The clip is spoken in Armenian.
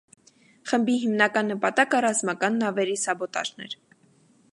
Խմբի հիմնական նպատակը ռազմական նավերի սաբոտաժն էր։